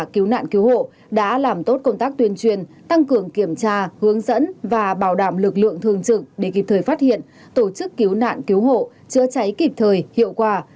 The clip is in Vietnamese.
cứu nạn cứu hộ đã làm tốt công tác tuyên truyền tăng cường kiểm tra hướng dẫn và bảo đảm lực lượng thường trực để kịp thời phát hiện tổ chức cứu nạn cứu hộ chữa cháy kịp thời hiệu quả